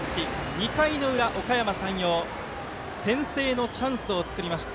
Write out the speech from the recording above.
２回の裏、おかやま山陽先制のチャンスを作りました。